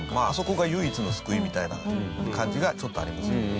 あそこが唯一の救いみたいな感じがちょっとありますよね。